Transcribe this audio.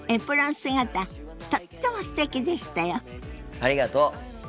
ありがとう。